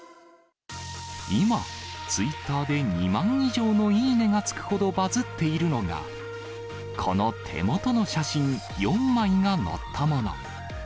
今、ツイッターで２万以上のいいねがつくほどバズっているのが、この手元の写真４枚が載ったもの。